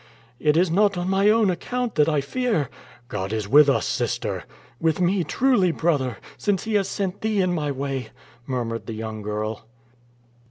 "It is not on my own account that I fear!" "God is with us, sister!" "With me truly, brother, since He has sent thee in my way!" murmured the young girl.